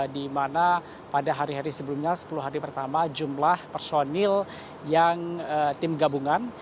di mana pada hari hari sebelumnya sepuluh hari pertama jumlah personil yang tim gabungan